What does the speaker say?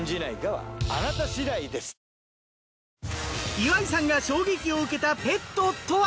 岩井さんが衝撃を受けたペットとは？